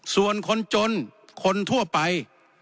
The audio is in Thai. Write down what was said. ส่วนคนจนคนทั่วไป